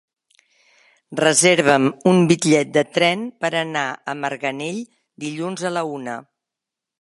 Reserva'm un bitllet de tren per anar a Marganell dilluns a la una.